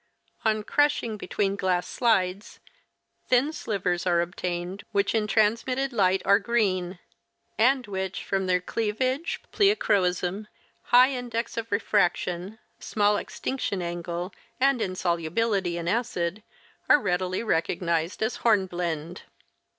On crushing be tween glass slides, thin slivers are obtained which in transmitted light are green, and which, from their cleavage, pleochroism, high index of refrac tion, small extinction angle, and insolubility in acid, are readily recognized as hornblende.